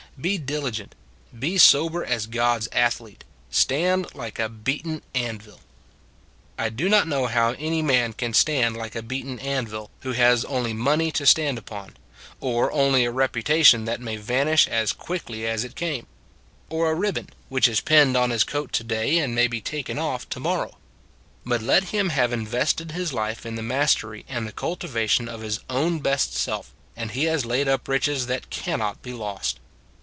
" Be diligent. Be sober as God s athlete. Stand like a beaten anvil." I do not know how any man can stand like a beaten anvil who has only money to stand upon; or only a reputation that may vanish as quickly as it came; or a 152 It s a Good Old World ribbon which is pinned on his coat to day and may be taken off to morrow. But let him have invested his life in the mastery and the cultivation of his own best self, and he has laid up riches that cannot be lost.